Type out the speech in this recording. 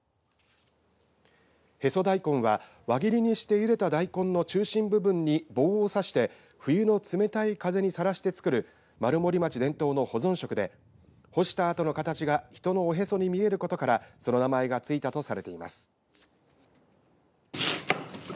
へそ大根は輪切りにしてゆでた大根の中心部分に棒を刺して、冬の冷たい風にさらして作る丸森町伝統の保存食で干したあとの形が人のおへその形に見えることからそう名前が付いたとされています。